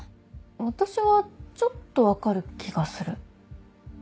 私はちょっと分かる気がする。